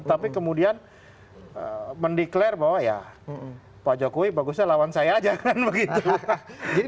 tapi kemudian mendeklarasi bahwa ya pak jokowi bagusnya lawan saya aja kan begitu